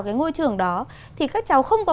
cái ngôi trường đó thì các cháu không có